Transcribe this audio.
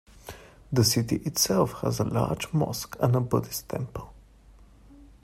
The city itself has a large mosque and a Buddhist temple.